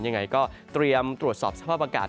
ยังไงก็เตรียมตรวจสอบสภาพอากาศ